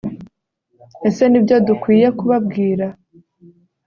Ese Nibyo dukwiye kubabwira